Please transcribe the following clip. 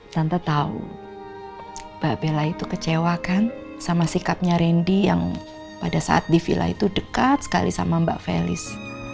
santa tahu mbak bella itu kecewa kan sama sikapnya randy yang pada saat di villa itu dekat sekali sama mbak felis